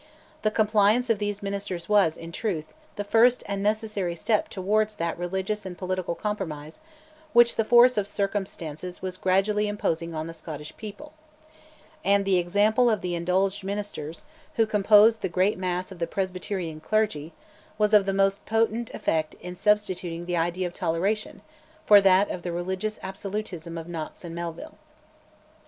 ... The compliance of these ministers was, in truth, the first and necessary step towards that religious and political compromise which the force of circumstances was gradually imposing on the Scottish people," and "the example of the Indulged ministers, who composed the great mass of the Presbyterian clergy, was of the most potent effect in substituting the idea of toleration for that of the religious absolutism of Knox and Melville."